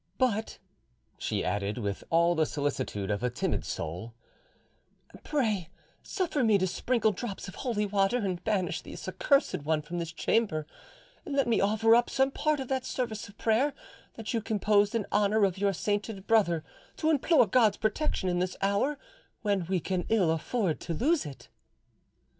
But," she added, with all the solicitude of a timid soul, "pray suffer me to sprinkle drops of holy water and banish the accursed one from this chamber, and let me offer up some part of that service of prayer that you composed in honour of your sainted brother to implore God's protection in this hour when we can ill afford to lose it."